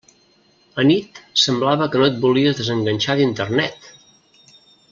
Anit semblava que no et volies desenganxar d'Internet!